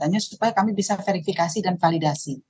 beri data datanya supaya kami bisa verifikasi dan validasi